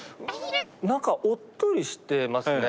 何かおっとりしてますね。